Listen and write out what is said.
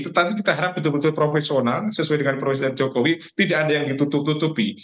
tetapi kita harap betul betul profesional sesuai dengan profesiden jokowi tidak ada yang ditutup tutupi